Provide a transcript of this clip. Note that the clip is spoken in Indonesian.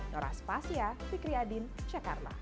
nora spasia fikri adin jakarta